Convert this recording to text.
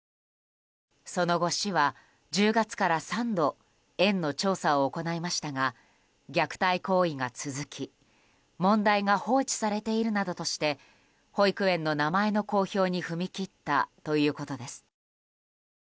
その後、市は１０月から３度園の調査を行いましたが虐待行為が続き問題が放置されているなどとして保育園の名前の公表に踏み切ったということです。